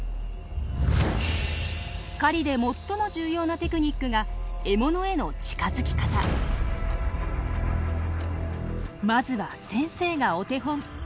狩りで最も重要なテクニックがまずは先生がお手本。